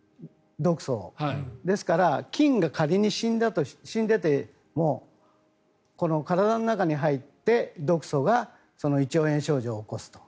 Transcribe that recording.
ですから、菌が仮に死んでても体の中に入って毒素が胃腸炎症状を起こすと。